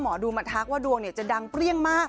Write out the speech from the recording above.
หมอดูมาทักว่าดวงจะดังเปรี้ยงมาก